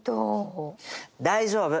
大丈夫。